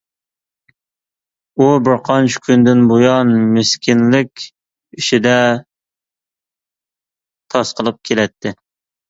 ئۇ بىرقانچە كۈندىن بۇيان مىسكىنلىك ئىچىدە تاسقىلىپ كېلەتتى.